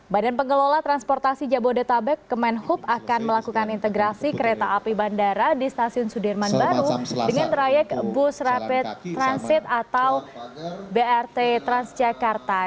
badan pengelola transportasi jabodetabek kemenhub akan melakukan integrasi kereta api bandara di stasiun sudirman baru dengan trayek bus rapid transit atau brt transjakarta